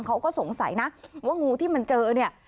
เขาก็สงสัยนะว่างูที่มันเจอเนี่ย